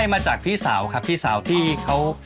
มาจากพี่สาวครับพี่สาวที่เขา